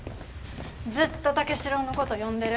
ずっと武四郎のこと呼んでる。